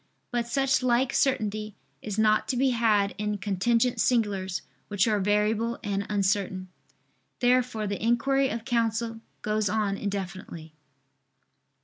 But such like certainty is not to be had in contingent singulars, which are variable and uncertain. Therefore the inquiry of counsel goes on indefinitely.